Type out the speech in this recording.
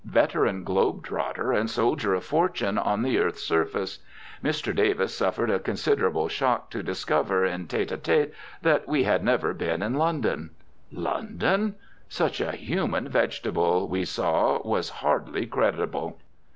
Veteran globe trotter and soldier of fortune on the earth's surface, Mr. Davis suffered a considerable shock to discover in tete a tete that we had never been in London. London? Such a human vegetable, we saw, was hardly credible.